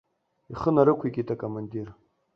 Ихы нарықәикит акомандир.